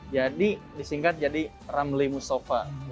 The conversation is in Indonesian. jadi disingkat jadi ramli musofa